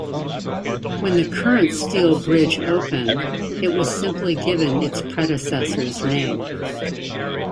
When the current Steel Bridge opened, it was simply given its predecessor's name.